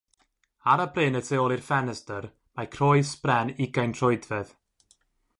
Ar y bryn y tu ôl i'r ffenestr mae croes bren ugain troedfedd.